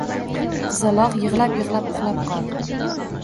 Qizaloq yig`lab-yig`lab uxlab qoldi